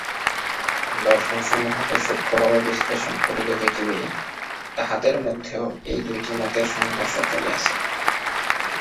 দর্শনসমূহকে সূক্ষ্মভাবে বিশ্লেষণ করিলে দেখিবে, তাহাদের মধ্যেও এই দুইটি মতের সংঘর্ষ চলিয়াছে।